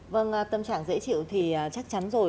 vâng tâm trạng dễ chịu thì chắc chắn rồi